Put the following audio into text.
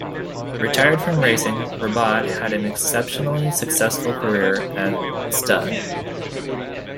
Retired from racing, Ribot had an exceptionally successful career at stud.